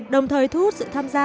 đồng thời thu hút sự tham gia